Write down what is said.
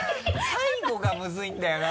最後がムズいんだよな。